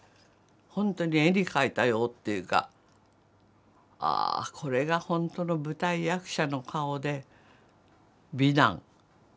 本当に絵に描いたようっていうか「ああこれが本当の舞台役者の顔で美男」。